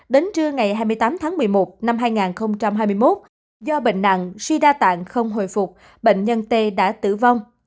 đến trưa ngày hai mươi tám tháng một mươi một năm hai nghìn hai mươi một do bệnh nặng suy đa tạng không hồi phục bệnh nhân t đã tử vong